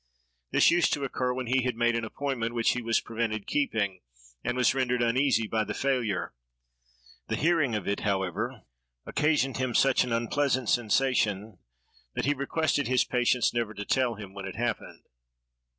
This used to occur when he had made an appointment which he was prevented keeping, and was rendered uneasy by the failure. The hearing of it, however, occasioned him such an unpleasant sensation, that he requested his patients never to tell him when it happened.